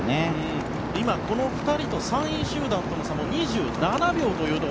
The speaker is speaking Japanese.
この２人と３位集団の差が２７秒。